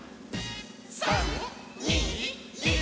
３！２！１！」